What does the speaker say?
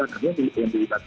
karena yang terlibat